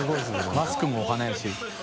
マスクもお花やし。